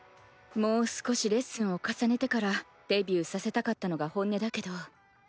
もう少しレッスンを重ねてからデビューさせたかったのが本音だけど。